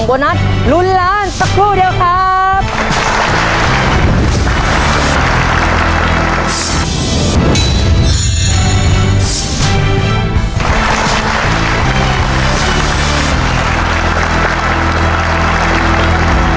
แต่ได้แบบใจหายใจคว่ำเหมือนกันนะคุณผู้ชม